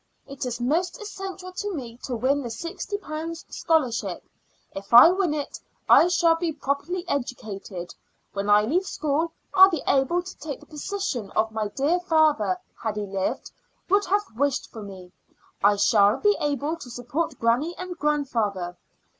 It is most essential to me to win the sixty pounds scholarship. If I win it I shall be properly educated. When I leave school I'll be able to take the position my dear father, had he lived, would have wished for me. I shall be able to support granny and grandfather.